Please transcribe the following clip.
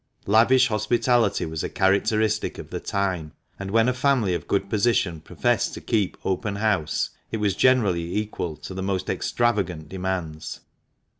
Lavish hospitality was a characteristic of the time, and when a family of good position professed to keep "open house," it was generally equal to the most extravagant demands.